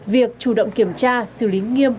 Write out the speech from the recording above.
việc chủ động kiểm tra xử lý nghiêm